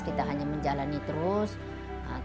kita hanya menjalani terus tanpa kenal pamrih